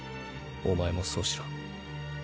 お前もそうしろ。